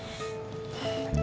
semoga cepet sembuh